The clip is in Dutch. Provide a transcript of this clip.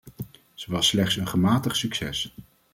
Ze was slechts een gematigd succes.